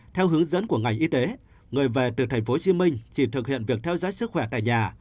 theo hướng dẫn của ngành y tế người về từ tp hcm chỉ thực hiện việc theo dõi sức khỏe tại nhà